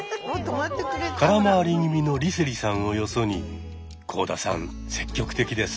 空回り気味の梨星さんをよそに幸田さん積極的です。